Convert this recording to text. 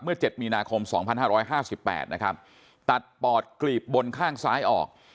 ๗มีนาคม๒๕๕๘นะครับตัดปอดกลีบบนข้างซ้ายออก